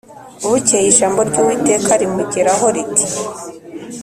Bukeye ijambo ry’Uwiteka rimugeraho riti